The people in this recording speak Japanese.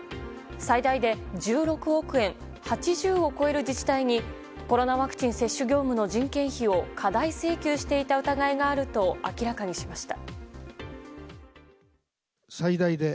最大で１６億円８０を超える自治体にコロナワクチン接種業務の人件費を過大請求していた疑いがあると明らかにしました。